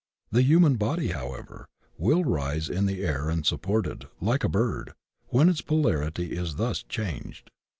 The hu man body, however, will rise in the air unsupported, like a bird, when its polarity is thus changed.